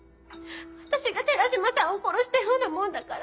私が寺島さんを殺したようなもんだから。